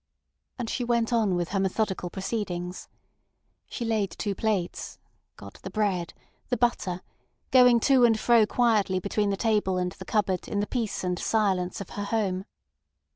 And she went on with her methodical proceedings. She laid two plates, got the bread, the butter, going to and fro quietly between the table and the cupboard in the peace and silence of her home.